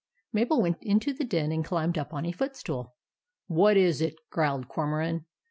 Mabel went into the den, and climbed up on a footstool. "WHAT IS IT?" growled Cormoran.